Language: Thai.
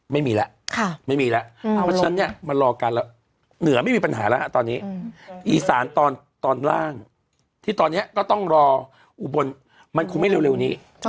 ไม่มีแล้วไม่มีแล้วเพราะฉะนั้นเนี่ยมันรอกันแล้วเหนือไม่มีปัญหาแล้วตอนนี้อีสานตอนล่างที่ตอนนี้ก็ต้องรออุบลมันคงไม่เร็วนี้